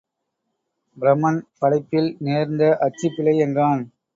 பிரமன் படைப்பில் நேர்ந்த அச்சுப் பிழை என்றான்.